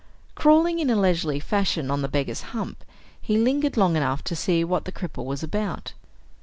Crawling in a leisurely fashion on the beggar's hump, he lingered long enough to see what the cripple was about.